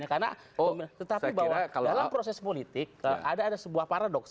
karena tetapi bahwa dalam proses politik ada sebuah paradoks